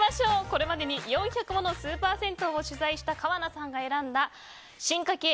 これまでに４００ものスーパー銭湯を取材した川名さんが選んだ進化系！